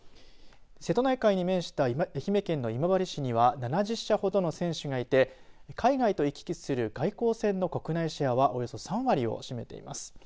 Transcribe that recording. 瀬戸内海に面した愛媛県の今治市には７０社ほどの船主がいて海外と行き来する外交船の国内シェアはおよそ３割を占めています。